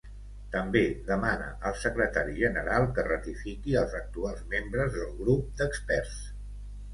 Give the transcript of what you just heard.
També demana al Secretari General que ratifiqui als actuals membres del Grup d'Experts.